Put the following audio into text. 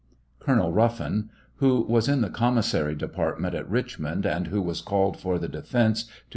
Colonel Ruffin, who was ia tlie commissary department at Richmond, and who was called for the defence to